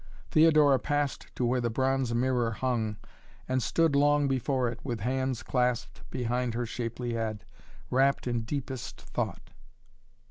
Theodora passed to where the bronze mirror hung and stood long before it, with hands clasped behind her shapely head, wrapt in deepest thought.